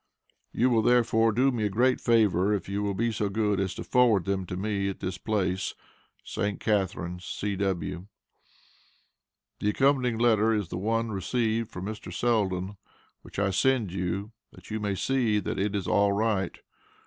You will therefore do me a great favor, if you will be so good as to forward them to me at this place St. Catharines, C.W. The accompanying letter is the one received from Mr. Selden which I send you, that you may see that it is all right.